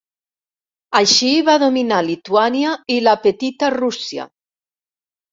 Així va dominar Lituània i la Petita Rússia.